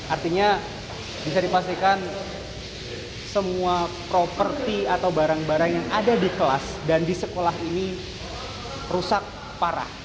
artinya bisa dipastikan semua properti atau barang barang yang ada di kelas dan di sekolah ini rusak parah